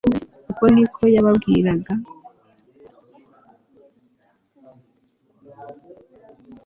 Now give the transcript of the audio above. uko ni ko yababwiraga